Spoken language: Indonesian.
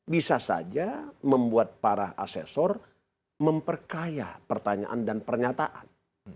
bisa saja membuat para asesor memperkaya pertanyaan dan pernyataan